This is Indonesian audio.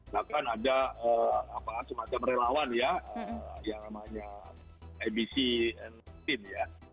bahkan ada semacam relawan ya yang namanya abc and team ya